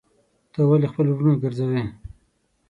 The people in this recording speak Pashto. ته ولي خپل وروڼه ګرځوې.